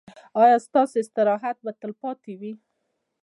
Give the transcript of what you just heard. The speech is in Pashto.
ایا ستاسو استراحت به تلپاتې وي؟